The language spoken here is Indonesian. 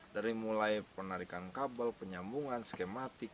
dari mulai penarikan kabel penyambungan skematik